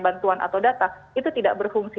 bantuan atau data itu tidak berfungsi